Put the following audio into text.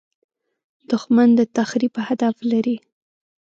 دښمن د تخریب هدف لري